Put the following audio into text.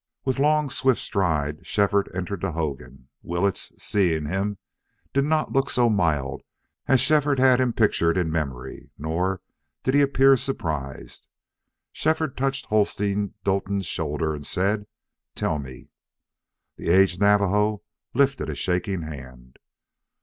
With long, swift stride Shefford entered the hogan. Willetts, seeing him, did not look so mild as Shefford had him pictured in memory, nor did he appear surprised. Shefford touched Hosteen Doetin's shoulder and said, "Tell me." The aged Navajo lifted a shaking hand.